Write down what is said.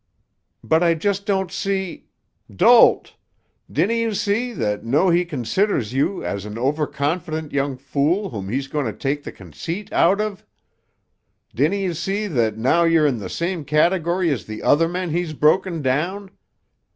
'" "But I don't just see——" "Dolt! Dinna you see that noo he considers you as an overconfident young fool whom he's going to take the conceit out of? Dinna ye see that noo you're in the same category as the other men he's broken down?